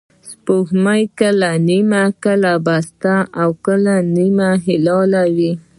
سپوږمۍ کله نیمه، کله پوره، او کله نری هلال وي